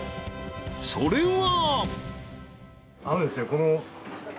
［それは］